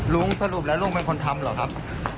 ลุงสรุปแล้วลุงเป็นคนทำเหรอครับ